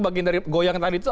bagian dari goyang tadi tuh